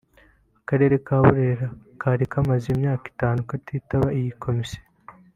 Akarere ka Burera kari kamaze imyaka itanu katitaba iyi komisiyo